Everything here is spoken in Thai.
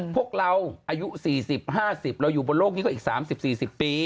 พวกเราอายุ๔๐๕๐เราอยู่บนโลกนี้ก็อีก๓๐๔๐ปี